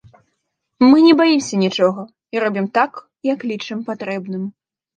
Мы не баімся нічога і робім так, як лічым патрэбным.